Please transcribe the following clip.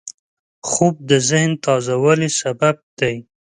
خوب د ذهن تازه والي سبب دی